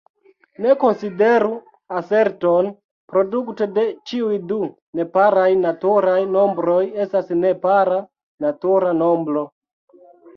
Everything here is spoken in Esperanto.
Ni konsideru aserton: "Produto de ĉiuj du neparaj naturaj nombroj estas nepara natura nombro.